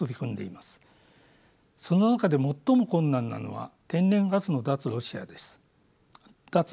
その中で最も困難なのは天然ガスの脱ロシア化です。